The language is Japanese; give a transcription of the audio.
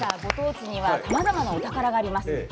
ご当地にはさまざまなお宝があります。